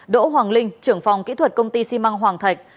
đỗ hoàng linh trưởng phòng kỹ thuật công ty xi măng hoàng thạch